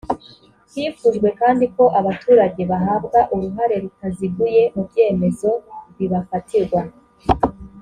hifujwe kandi ko abaturage bahabwa uruhare rutaziguye mu byemezo bibafatirwa